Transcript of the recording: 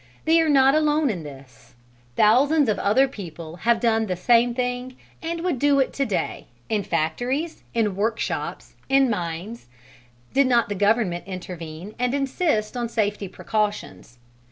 They are not alone in this: thousands of other people have done the same thing and would do it to day in factories, in workshops, in mines, did not the government intervene and insist on safety precautions.